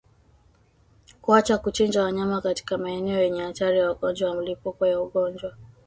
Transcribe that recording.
Kuacha kuchinja wanyama katika maeneo yenye hatari ya ugonjwa na milipuko ya ugonjwa